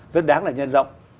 rất đáng là nhân rộng